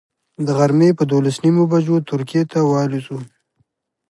د غرمې پر دولس نیمو بجو ترکیې ته والوځو.